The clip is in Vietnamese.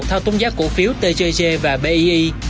theo tốn giá cổ phiếu tgg và pii